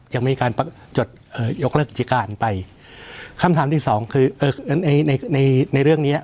ยังไม่มีการจดยกเลิกกิจการไปคำถามที่๒คือในเรื่องเนี่ย